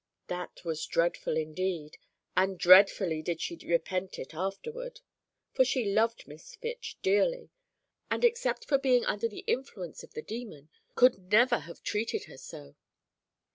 That was dreadful, indeed, and dreadfully did she repent it afterward, for she loved Miss Fitch dearly, and, except for being under the influence of the demon, could never have treated her so.